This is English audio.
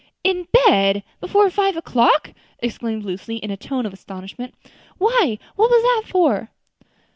"In bed! before five o'clock!" exclaimed Lucy in a tone of astonishment. "Why, what was that for?"